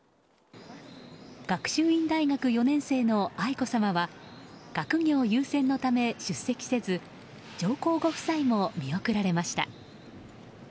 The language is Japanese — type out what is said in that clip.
学習院大学４年生の愛子さまは学業優先のため出席せず上皇ご夫妻も見送られました。